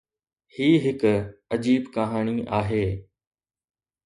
هي هڪ عجيب ڪهاڻي آهي.